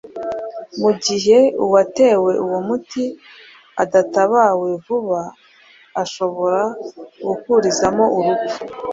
mu gihe uwatewe uwo muti adatabawe vuba ashobora gukurizamo urupfu.